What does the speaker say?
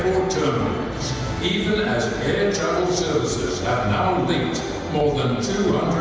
dan mengembangkan perusahaan terbaru dan terminal perusahaan terbaru